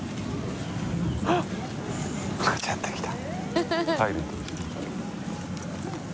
ちゃんと来た。